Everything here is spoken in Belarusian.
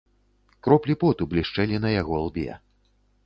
Кроплі поту блішчэлі на яго лбе.